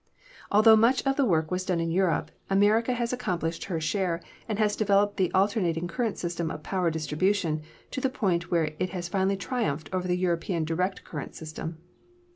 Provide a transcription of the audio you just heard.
Altho much of the work was done in Europe, America has ac complished her share and has developed the alternating current system of power distribution to the point where it has finally triumphed over the European direct current system.